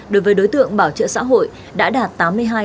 đối với đối tượng bảo trợ xã hội đã đạt tám mươi hai chín mươi chín